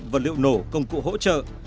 vật liệu nổ công cụ hỗ trợ